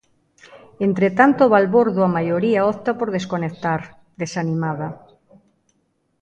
Entre tanto balbordo a maioría opta por desconectar, desanimada.